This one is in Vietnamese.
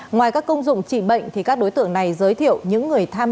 ngoài các công dụng trị bệnh thì các đối tượng này giới thiệu những người tham